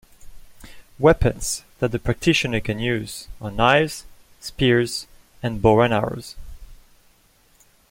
Weapons that the practitioner can use are knives, spears and bow and arrows.